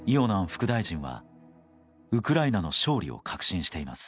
副大臣はウクライナの勝利を確信しています。